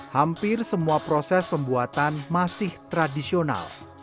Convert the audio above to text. hampir semua proses pembuatan masih tradisional